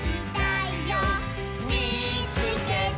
「みいつけた」